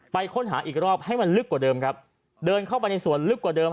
ค้นหาอีกรอบให้มันลึกกว่าเดิมครับเดินเข้าไปในสวนลึกกว่าเดิม